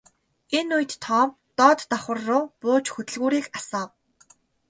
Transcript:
Энэ үед Том доод давхарруу бууж хөдөлгүүрийг асаав.